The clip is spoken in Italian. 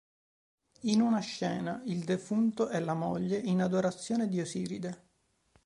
In una scena, il defunto e la moglie in adorazione di Osiride.